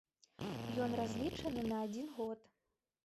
Ён разлічаны на адзін год.